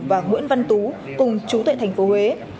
và nguyễn văn tú cùng chú thuệ tp hcm